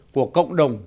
của cộng đồng